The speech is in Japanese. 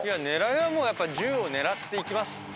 狙いは１０を狙っていきます。